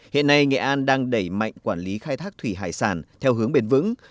hiện nay nghệ an đang đẩy mạnh quản lý khai thác thủy hải sản theo hướng bền vững